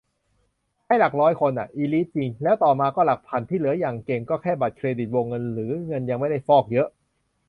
ให้หลักร้อยคนอะ อีลิทจริง แล้วต่อมาก็หลักพัน ที่เหลืออย่างเก่งก็แค่บัตรเครดิตวงเงินหรือเงินยังไม่ได้ฟอกเยอะ